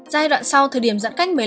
giai đoạn sau thời điểm giãn cách